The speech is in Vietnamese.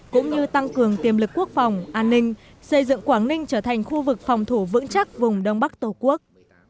cũng như tăng cường tiềm lực quốc phòng an ninh xây dựng quảng ninh trở thành khu vực phòng thủ vững chắc vùng đông bắc tổ quốc